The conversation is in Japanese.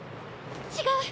違う。